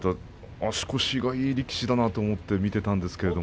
足腰がいい力士だなと思って見ていたんですけど。